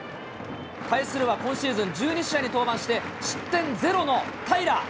対するは今シーズン１２試合に登板して失点０の平良。